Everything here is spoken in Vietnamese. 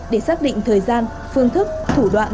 để xác định thời gian phương thức thủ đoạn